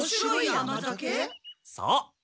そう。